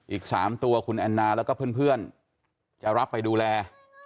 อีก๓ตัวคุณแอนนาแล้วก็เพื่อนจะรับไปดูแล